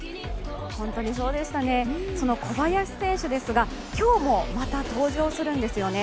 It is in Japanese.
その小林選手ですが今日も、また登場するんです。